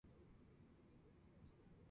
中華人民共和国